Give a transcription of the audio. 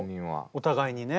お互いにね。